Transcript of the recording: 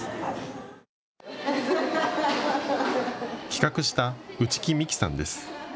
企画した内木美樹さんです。